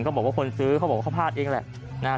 บอกว่าคนซื้อเขาบอกว่าเขาพลาดเองแหละนะฮะ